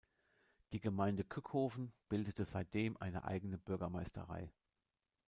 Die Gemeinde Kückhoven bildete seitdem eine eigene Bürgermeisterei.